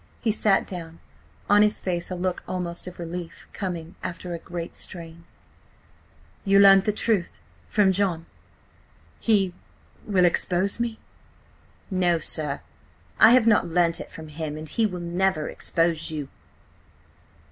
He sat down; on his face a look almost of relief, coming after a great strain. "You learnt the truth. .. from John. He. .. will expose me?" "No, sir. I have not learnt it from him. And he will never expose you."